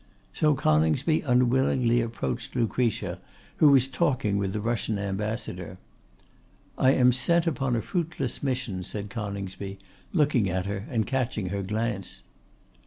So Coningsby unwillingly approached Lucretia, who was talking with the Russian Ambassador. 'I am sent upon a fruitless mission,' said Coningsby, looking at her, and catching her glance.